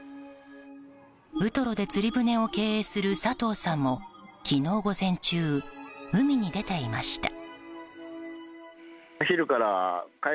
ウトロで釣り船を経営する佐藤さんも昨日午前中、海に出ていました。